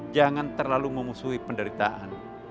jangan terlalu memusuhi penderitaan